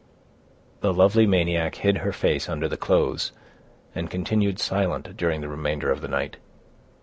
The lovely maniac hid her face under the clothes, and continued silent during the remainder of the night.